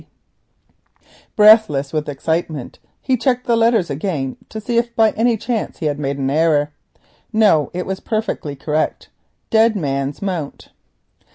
B.C. Breathless with excitement, he checked the letters again to see if by any chance he had made an error. No, it was perfectly correct. "Dead Man's Mount."